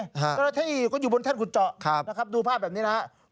เจ้าหน้าที่ก็อยู่บนแท่นขุดเจาะนะครับดูภาพแบบนี้นะครับ